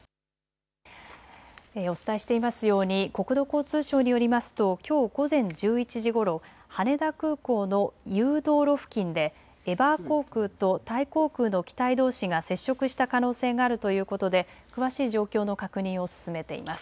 お伝えしていますように国土交通省によりますときょう午前１１時ごろ羽田空港の誘導路付近でエバー航空とタイ航空の機体どうしが接触した可能性があるということで詳しい状況の確認を進めています。